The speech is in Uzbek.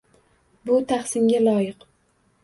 Bu tahsinga loyiq.